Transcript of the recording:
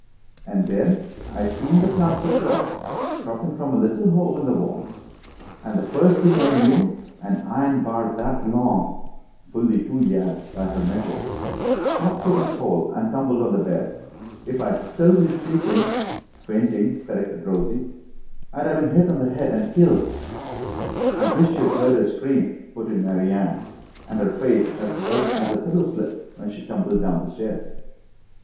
And then I seen the plaster drop, droppin' from a little hole in the wall. And the first thing I knew, an iron bar that long" (fully two yards by her measure) "shot through that hole and tumbled on the bed. If I'd been still sleeping" ("Fainting," corrected Rosie) "I'd 'a' been hit on the head and killed!" "I wisht you'd heard her scream," put in Mary Anne. "And her face as white as a pillow slip when she tumbled down the stairs."